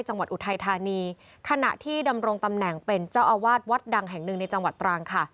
อุทัยธานีขณะที่ดำรงตำแหน่งเป็นเจ้าอาวาสวัดดังแห่งหนึ่งในจังหวัดตรังค่ะ